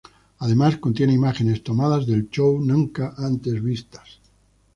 Además contiene imágenes tomadas del show nunca antes vistas.